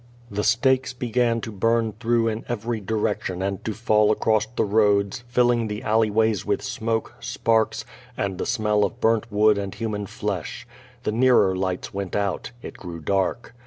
The stakes began to burn through in every direction and to fall across the roads, filling the alleyways with smoke, sparks, and the smell of burnt wood and human flesh. Tlie nearer lights went out. It grew dark.